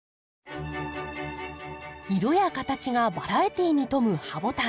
色や形がバラエティーに富むハボタン。